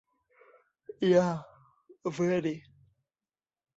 Ja vere!